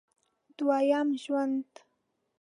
دوه یم ژوند